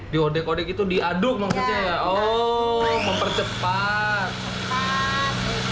diodek kode gitu diaduk maksudnya ya